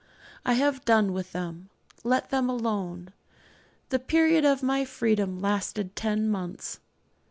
I have done with them let them alone. The period of my freedom lasted ten months.